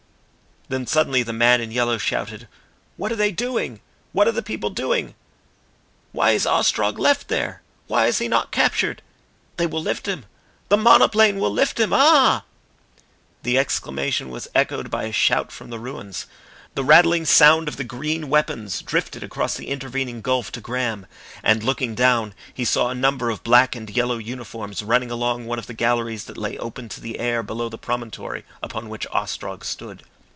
Then suddenly the man in yellow shouted: "What are they doing? What are the people doing? Why is Ostrog left there? Why is he not captured? They will lift him the monoplane will lift him! Ah!" The exclamation was echoed by a shout from the ruins. The rattling sound of the green weapons drifted across the intervening gulf to Graham, and, looking down, he saw a number of black and yellow uniforms running along one of the galleries that lay open to the air below the promontory upon which Ostrog stood.